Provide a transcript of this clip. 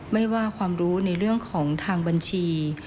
ไม่ว่าความรู้ในเรื่องของทางบัญชี